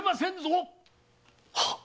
はっ。